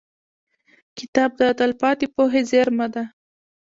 • کتاب د تلپاتې پوهې زېرمه ده.